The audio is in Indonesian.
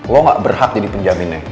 lo gak berhak jadi penjaminnya